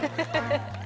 ハハハ。